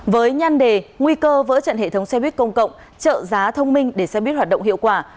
với nhan đề nguy cơ vỡ trận hệ thống xe buýt công cộng trợ giá thông minh để xe buýt hoạt động hiệu quả